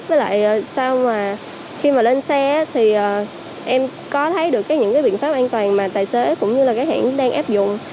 với lại sao mà khi mà lên xe thì em có thấy được những cái biện pháp an toàn mà tài xế cũng như là các hãng đang áp dụng